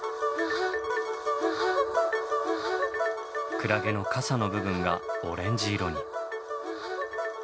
クラゲの傘の部分がオレンジ色に。